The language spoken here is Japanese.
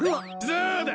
そうだ！